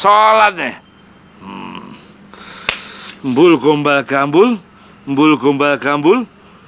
sholat nih bulgomba gambul bulgomba gambul